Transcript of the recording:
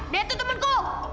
dia itu temanku